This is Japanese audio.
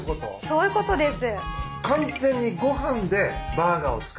そういうことです。